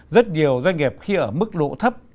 rất nhiều doanh nghiệp khi ở mức độ thấp